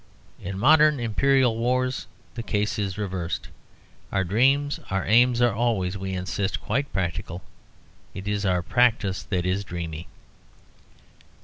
In modern Imperial wars, the case is reversed. Our dreams, our aims are always, we insist, quite practical. It is our practice that is dreamy.